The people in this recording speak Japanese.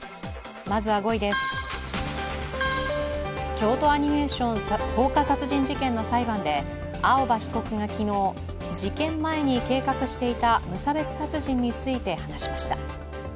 まずは５位です、京都アニメーション放火殺人事件の裁判で青葉被告が昨日、事件前に計画していた無差別殺人について話しました。